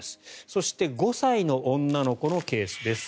そして５歳の女の子のケースです。